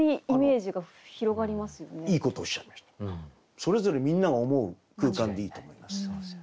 それぞれみんなが思う空間でいいと思います。